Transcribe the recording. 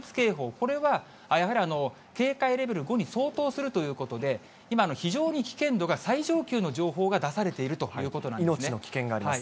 これはやはり警戒レベル５に相当するということで、今、非常に危険度が最上級の情報が出されているということなんで命の危険があります。